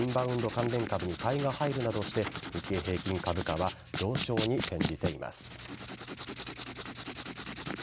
関連株に買いが入るなどして日経平均株価は上昇に転じています。